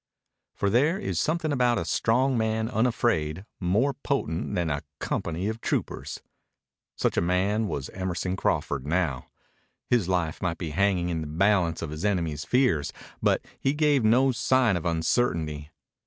For there is something about a strong man unafraid more potent than a company of troopers. Such a man was Emerson Crawford now. His life might be hanging in the balance of his enemies' fears, but he gave no sign of uncertainty.